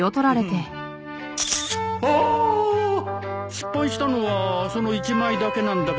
失敗したのはその１枚だけなんだけどね